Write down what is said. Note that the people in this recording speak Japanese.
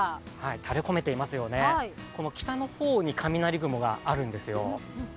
垂れ込めていますよね、北の方に雷雲があるんですよ。